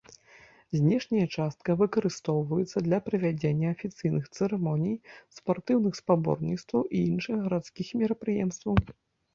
Знешняя частка выкарыстоўваецца для правядзення афіцыйных цырымоній, спартыўных спаборніцтваў і іншых гарадскіх мерапрыемстваў.